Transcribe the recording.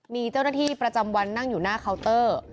มีเจ้าหน้าที่ประจำวันนั่งอยู่หน้าเคาน์เตอร์